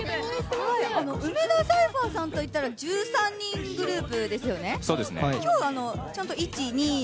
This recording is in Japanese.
梅田サイファーさんといったら１３人グループですよね？